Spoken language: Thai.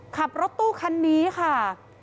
ขับรถตู้คันนี้ค่ะ